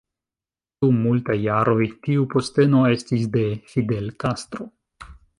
Dum multaj jaroj tiu posteno estis de Fidel Castro.